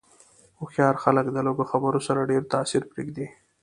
هوښیار خلک د لږو خبرو سره ډېر تاثیر پرېږدي.